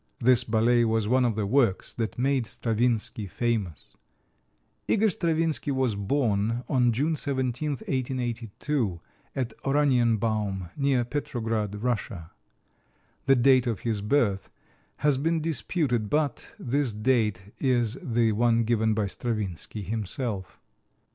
This ballet was one of the works that made Stravinsky famous. Igor Stravinsky was born on June 17, 1882, at Oranienbaum, near Petrograd, Russia. The date of his birth has been disputed, but this date is the one given by Stravinsky himself.